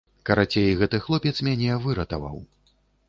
Карацей, гэты хлопец мяне выратаваў.